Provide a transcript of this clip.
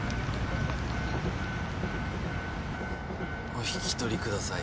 お引き取り下さい。